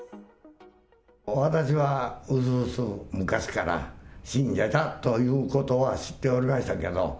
私は薄々昔から、信者だということは知っておりましたけど。